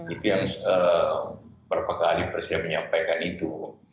itu yang berapa kali presiden menyampaikan itu